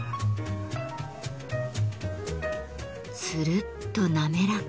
つるっと滑らか。